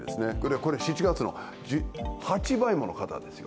これ７月の８倍もの方ですよ。